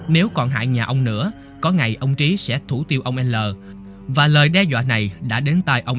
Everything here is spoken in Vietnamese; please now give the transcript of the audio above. nếu còn hại nhà ông nữa có ngày ông trí sẽ thủ tiêu ông nl và lời đe dọa này đã đến tay ông